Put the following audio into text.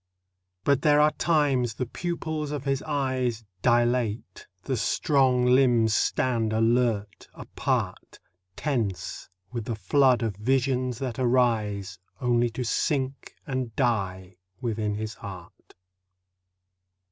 But there are times the pupils of his eyes Dilate, the strong limbs stand alert, apart, Tense with the flood of visions that arise Only to sink and die within his heart.